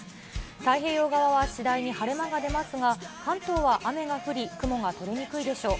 太平洋側は次第に晴れ間が出ますが、関東は雨が降り、雲が取れにくいでしょう。